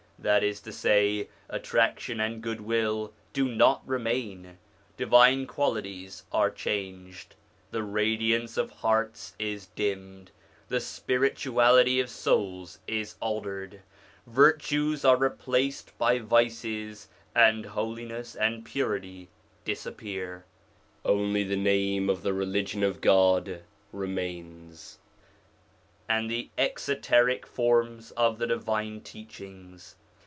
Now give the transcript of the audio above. That is to say, attraction and goodwill do not remain, divine qualities are changed, the radiance of hearts is dimmed, the spirituality of souls is altered, virtues are replaced by vices, and holiness and purity disappear. Only the name of the Religion of God remains, and the exoteric forms of the divine teachings.